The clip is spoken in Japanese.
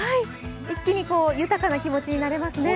一気に豊かな気持ちになれますね。